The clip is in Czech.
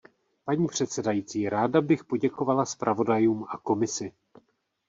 Paní předsedající, ráda bych poděkovala zpravodajům a Komisi.